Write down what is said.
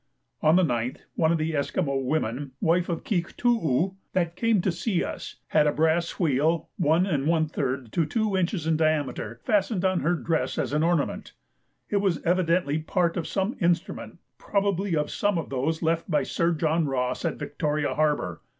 On the 9th, one of the Esquimaux women (wife of Keiktoo oo) that came to see us, had a brass wheel 1 1/3 or 2 inches in diameter fastened on her dress as an ornament. It was evidently part of some instrument, probably of some of those left by Sir John Ross at Victoria Harbour.